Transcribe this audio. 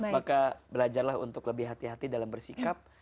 maka belajarlah untuk lebih hati hati dalam bersikap